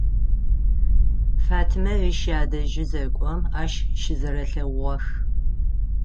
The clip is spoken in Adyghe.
Фатимэ ыш ядэжьы зэкӏом ащ щызэрэлъэгъугъэх.